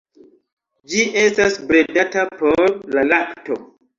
Ĝi estas bredata por la lakto.